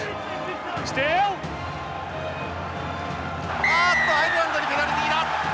おっとアイルランドにペナルティーだ。